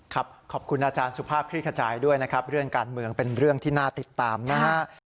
ขอบคุณอาจารย์สุภาพคลิกขจายด้วยนะครับเรื่องการเมืองเป็นเรื่องที่น่าติดตามนะฮะ